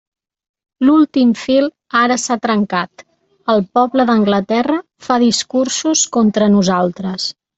L'últim fil ara s'ha trencat, el poble d'Anglaterra fa discursos contra nosaltres.